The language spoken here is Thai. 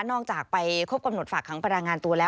จากไปครบกำหนดฝากขังพลังงานตัวแล้ว